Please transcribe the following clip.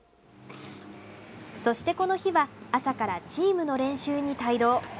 そして、この日は朝からチームの練習に帯同。